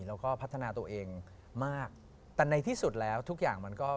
แล้วก็พัฒนาตัวเองมากแต่ในที่สุดแล้วทุกอย่างมันก็